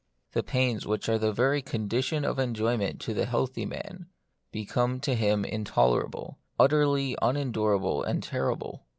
The pains which are the very condi tions of enjoyment to the healthy man, be come to him intolerable, utterly unendurable and terrible.